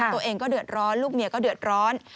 ตัวเองก็เดือดร้อนลูกเมียก็เดือดร้อน